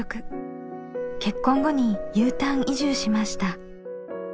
結婚後にＵターン移住しました。